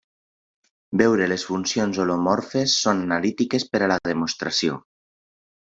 Veure les funcions holomorfes són analítiques per a la demostració.